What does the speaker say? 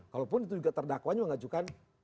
kalaupun itu juga terdakwanya mengajukan